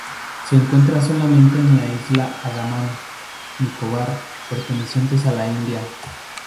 Se encuentra solamente en la islas Andamán y Nicobar, pertenecientes a la India.